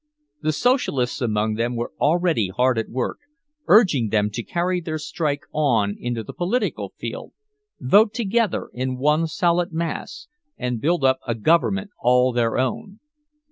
The socialists among them were already hard at work, urging them to carry their strike on into the political field, vote together in one solid mass and build up a government all their own.